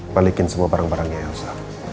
balikin semua barang barangnya elsa